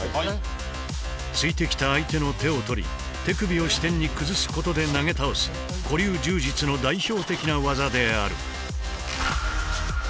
突いてきた相手の手を取り手首を支点に崩すことで投げ倒す古流柔術の代表的な技である。